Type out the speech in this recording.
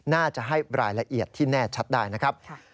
น่าจะให้รายละเอียดที่แน่ชัดได้นะครับ